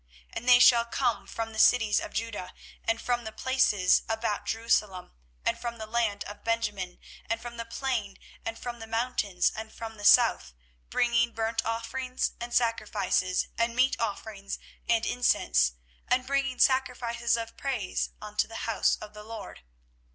24:017:026 And they shall come from the cities of Judah, and from the places about Jerusalem, and from the land of Benjamin, and from the plain, and from the mountains, and from the south, bringing burnt offerings, and sacrifices, and meat offerings, and incense, and bringing sacrifices of praise, unto the house of the LORD.